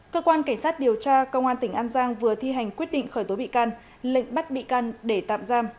cơ quan cảnh sát điều tra công an tỉnh an giang vừa thi hành quyết định khởi tố bị can lệnh bắt bị can để tạm giam